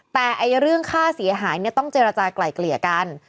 แต่เรื่องค่าเสียหายเนี่ยต้องเจรจากลายเกลี่ยกัน